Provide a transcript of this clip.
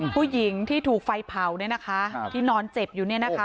ผู้หญิงที่ถูกไฟเผาที่นอนเจ็บอยู่เนี่ยนะคะ